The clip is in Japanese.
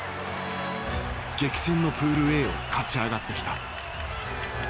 激戦のプールＡを勝ち上がってきた。